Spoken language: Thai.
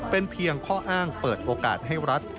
เป็นเพียงข้ออ้างเปิดโอกาสให้รัฐ